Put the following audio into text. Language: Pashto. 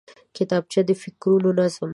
کتابچه د فکرونو نظم دی